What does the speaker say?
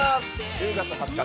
１０月２０日